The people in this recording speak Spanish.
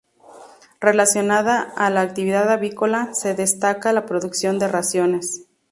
Relacionada a la actividad avícola, se destaca la producción de raciones.